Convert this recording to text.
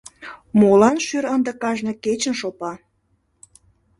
Молан шӱр ынде кажне кечын шопа